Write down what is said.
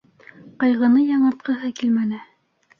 Ҡайғыны яңыртҡыһы килмәне.